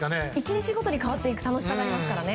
１日ごとに変わっていく楽しさがありますからね。